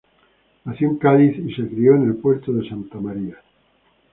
Nació en Cádiz y se crio en El Puerto de Santa María.